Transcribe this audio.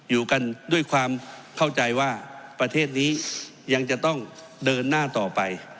อยู่กันด้วยความเข้าใจว่าประเทศนี้ยังจะต้องเดินหน้าต่อไป